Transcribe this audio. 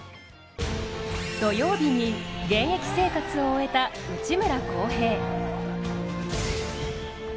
土曜日に、現役生活を終えた、内村航平。